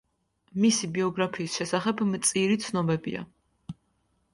მისი ბიოგრაფიის შესახებ მწირი ცნობებია.